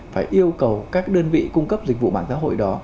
phải yêu cầu các đơn vị cung cấp dịch vụ mạng xã hội đó